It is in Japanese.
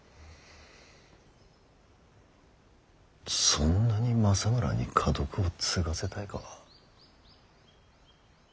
そんなに政村に家督を継がせたいか。